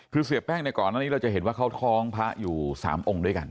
คือเสียแป้งในก่อนหน้านี้เราจะเห็นว่าเขาท้องพระอยู่๓องค์ด้วยกัน